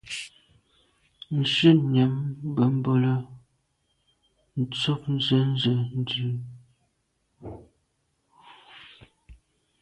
Shutnyàm be bole, ntshob nzenze ndù.